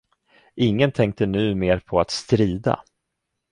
Ingen tänkte nu mer på att strida.